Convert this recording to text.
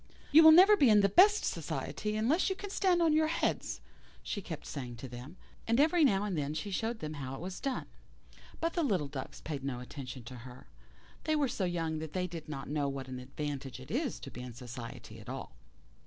"You will never be in the best society unless you can stand on your heads," she kept saying to them; and every now and then she showed them how it was done. But the little ducks paid no attention to her. They were so young that they did not know what an advantage it is to be in society at all.